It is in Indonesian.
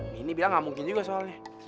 mini bilang gak mungkin juga soalnya